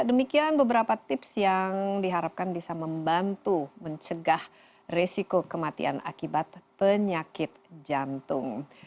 demikian beberapa tips yang diharapkan bisa membantu mencegah resiko kematian akibat penyakit jantung